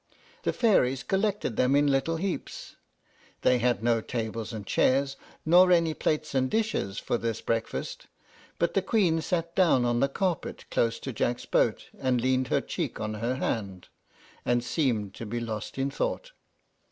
The fairies collected them in little heaps. They had no tables and chairs, nor any plates and dishes for this breakfast; but the Queen sat down on the carpet close to Jack's boat, and leaned her cheek on her hand, and seemed to be lost in thought.